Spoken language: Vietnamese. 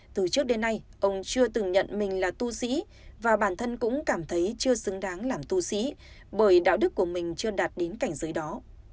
từ trước đến nay ông chưa từng nhận mình là tu sĩ và bản thân cũng cảm thấy chưa xứng đáng làm tu sĩ bởi đạo đức của mình chưa đạt đến cảnh giới đó